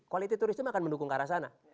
quality tourism akan mendukung ke arah sana